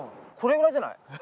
これぐらいじゃない？